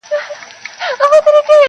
او فضا غمجنه ښکاري ډېر,